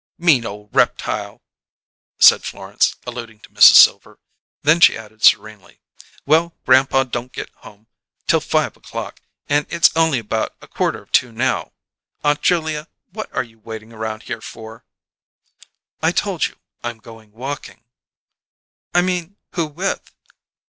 "Mean ole reptile!" said Florence, alluding to Mrs. Silver; then she added serenely, "Well, grandpa don't get home till five o'clock, and it's only about a quarter of two now. Aunt Julia, what are you waitin' around here for?" "I told you; I'm going walking." "I mean: Who with?"